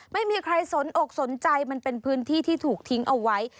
ไม่มีใครสนอกสนใจมันเป็นพื้นที่ที่ถูกทิ้งเอาไว้